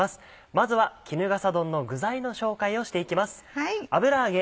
まずは衣笠丼の具材の紹介をしていきます。